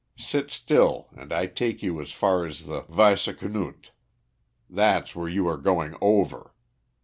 Sit still, and I take you as far as the Weisse Knott. That's where you are going over.